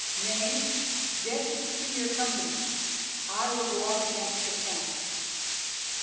Nay, get you to your companies. I will go up against the camp."